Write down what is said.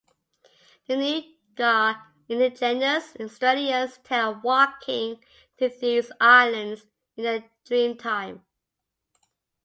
The Noongar Indigenous Australians tell of walking to these islands in their Dreamtime.